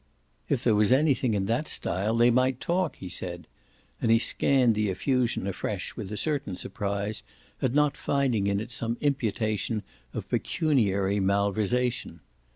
"If there was anything in that style they might talk," he said; and he scanned the effusion afresh with a certain surprise at not finding in it some imputation of pecuniary malversation.